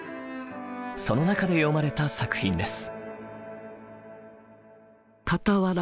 その中で詠まれた作品です。